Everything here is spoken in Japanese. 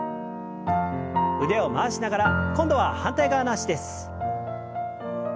腕を回しながら今度は反対側の脚です。